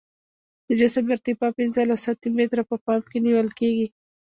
د جسم ارتفاع پنځلس سانتي متره په پام کې نیول کیږي